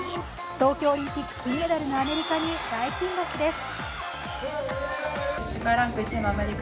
東京オリンピック金メダルのアメリカに大金星です。